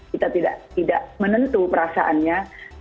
kita tidak menentu perasaannya